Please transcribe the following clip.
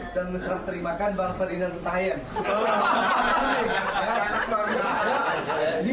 dan serah terimakan bang ferdinand huta hayan